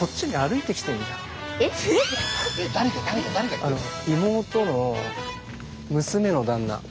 えっ誰が誰が誰が来てるの？